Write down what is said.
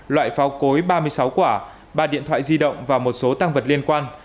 loại phao cối ba mươi sáu quả ba điện thoại di động và một số tăng vật liên quan